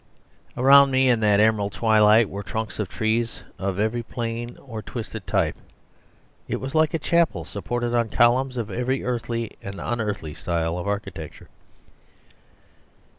Around me in that emerald twilight were trunks of trees of every plain or twisted type; it was like a chapel supported on columns of every earthly and unearthly style of architecture.